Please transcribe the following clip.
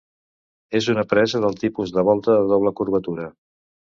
És una presa del tipus de volta de doble curvatura.